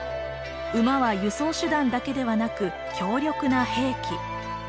馬は輸送手段だけではなく強力な兵器。